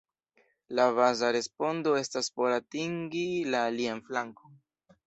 La baza respondo estas "por atingi la alian flankon".